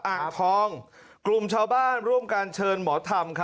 อ่างทองกลุ่มชาวบ้านร่วมการเชิญหมอธรรม